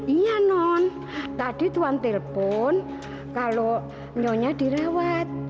iya non tadi tuan telepon kalau nyonya direwat